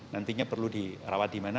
nantinya perlu dirawat di mana